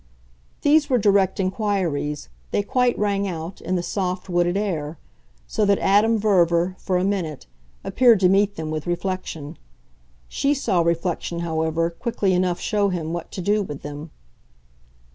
These were direct inquiries, they quite rang out, in the soft, wooded air; so that Adam Verver, for a minute, appeared to meet them with reflection. She saw reflection, however, quickly enough show him what to do with them.